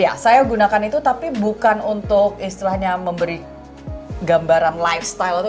iya saya gunakan itu tapi bukan untuk istilahnya memberi gambaran lifestyle itu